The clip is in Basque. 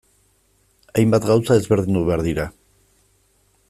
Hainbat gauza ezberdindu behar dira.